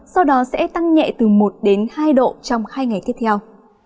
sau đó sẽ tăng nhẹ từ một đến hai độ trong hai ngày tiếp theo